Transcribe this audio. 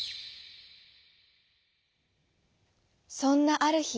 そんなあるひ。